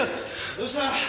どうした？